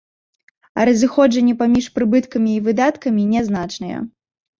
А разыходжанне паміж прыбыткамі і выдаткамі нязначныя.